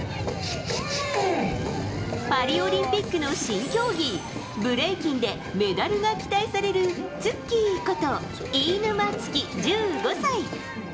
パリオリンピックの新競技ブレイキンでメダルが期待されるツッキーこと飯沼月光、１５歳。